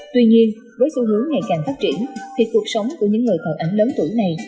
tuy nhiên với xu hướng ngày càng phát triển thì cuộc sống của những người còn ảnh lớn tuổi này